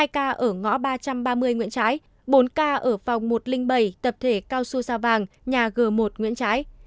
hai ca ở ngõ ba trăm ba mươi nguyễn trái bốn ca ở phòng một trăm linh bảy tập thể cao xu sao vàng nhà g một nguyễn trái